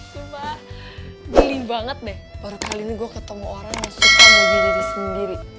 cuma beli banget deh baru kali ini gue ketemu orang yang suka bagi diri sendiri